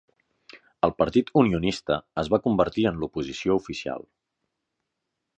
El Partit Unionista és va convertir en l'oposició oficial.